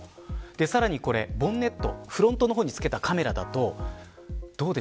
さらにボンネットフロントの方に付けたカメラです。